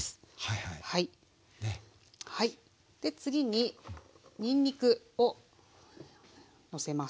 次ににんにくをのせます。